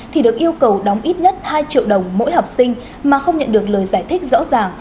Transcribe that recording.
thì được yêu cầu đóng ít nhất hai triệu đồng mỗi học sinh mà không nhận được lời giải thích rõ ràng